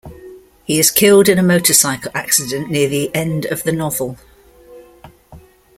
He is killed in a motorcycle accident near the end of the novel.